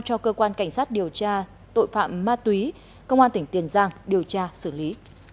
cho cơ quan cảnh sát điều tra tội phạm ma túy công an tỉnh tiền giang điều tra xử lý